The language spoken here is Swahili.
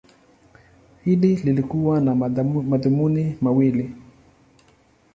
Hili lilikuwa na madhumuni mawili.